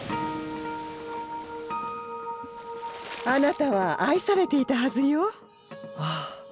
あなたは愛されていたはずよ。